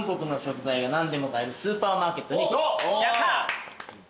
やった！